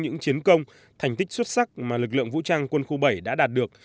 những chiến công thành tích xuất sắc mà lực lượng vũ trang quân khu bảy đã đạt được